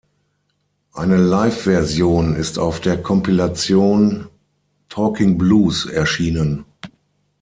Eine Live-Version ist auf der Kompilation "Talkin’ Blues" erschienen.